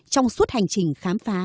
trong suốt hành trình khám phá